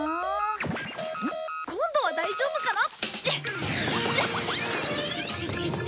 今度は大丈夫かな？